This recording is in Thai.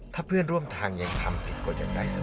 ถ้าเพื่อนร่วมทางยังทำผิดกฎอย่างใดเสมอ